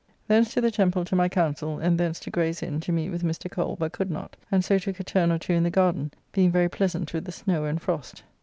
Thence to the Temple to my counsel, and thence to Gray's Inn to meet with Mr. Cole but could not, and so took a turn or two in the garden, being very pleasant with the snow and frost.